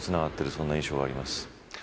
そんな印象があります。